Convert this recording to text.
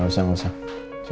gak usah gak usah